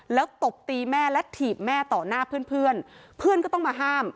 แล้วตบตีแม่และถีบแม่ต่อหน้าเพื่อนเพื่อนก็ต้องมาห้าม